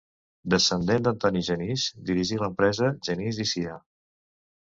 Descendent d'Antoni Genís, dirigí l'empresa Genís i Cia.